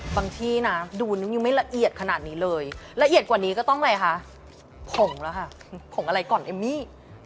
ที่นะดูนิ้วยังไม่ละเอียดขนาดนี้เลยละเอียดกว่านี้ก็ต้องอะไรคะผงแล้วค่ะผงอะไรก่อนเอมมี่